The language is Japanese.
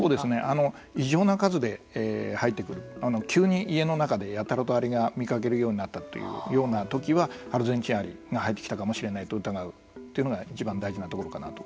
異常な数で入ってくる急に家の中でやたらとアリが見かけるようになったときにはアルゼンチンアリが入ってきたかもしれないと疑うというのがいちばん大事なところかなと。